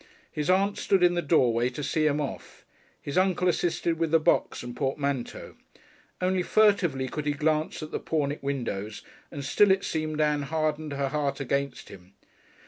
His aunt stood in the doorway to see him off. His uncle assisted with the box and portmanteau. Only furtively could he glance up at the Pornick windows, and still it seemed Ann hardened her heart against him.